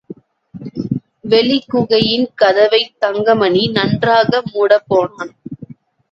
வெளிக் குகையின் கதவைத் தங்கமணி நன்றாக மூடப்போனான்.